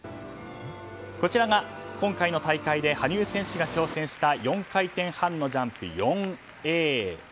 今回の大会で羽生選手が挑戦した４回転半のジャンプ４Ａ。